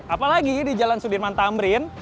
apalagi di jalan sudirman tamrin